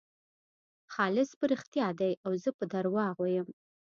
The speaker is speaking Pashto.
خالص په رښتیا دی او زه په درواغو یم.